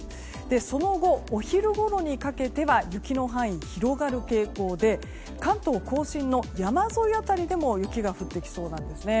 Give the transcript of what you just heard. その後、お昼ごろにかけては雪の範囲が広がる傾向で関東・甲信の山沿い辺りでも雪が降ってきそうなんですね。